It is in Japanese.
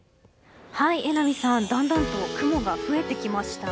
榎並さん、だんだんと雲が増えてきました。